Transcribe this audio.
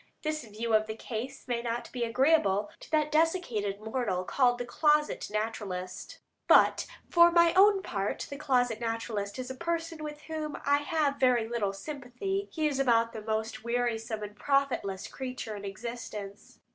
This view of the case may not be agreeable to that desiccated mortal called the "closet naturalist," but for my own part the closet naturalist is a person with whom I have very little sympathy. He is about the most wearisome and profitless creature in existence.